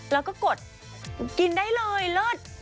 แล้วก็กดกินได้เลยเลิศ